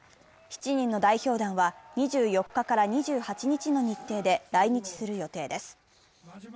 ７人の代表団は２４日から２８日の日程で来日する予定です。